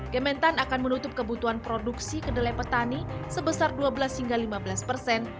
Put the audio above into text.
kementan akan menutup kebutuhan produksi kedelai petani sebesar dua belas hingga lima belas persen